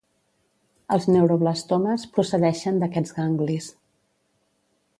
Els neuroblastomes procedeixen d'aquests ganglis.